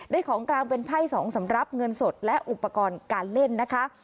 ของกลางเป็นไพ่๒สำหรับเงินสดและอุปกรณ์การเล่นนะคะ